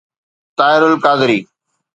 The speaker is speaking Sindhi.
طاهر القادري